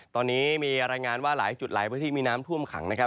ตอนนี้มีรายงานว่าหลายจุดหลายพื้นที่มีน้ำท่วมขังนะครับ